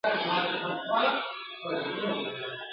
د اغیار جنازه ولاړه د غلیم کور دي تالان دی !.